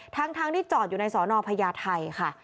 ทั้งที่จอดอยู่ในสอนอพญาไทยค่ะ